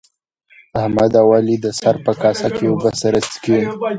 احمد او علي د سر په کاسه کې اوبه سره څښي.